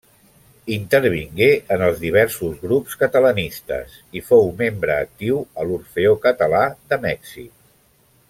Intervingué en els diversos grups catalanistes i fou membre actiu a l'Orfeó Català de Mèxic.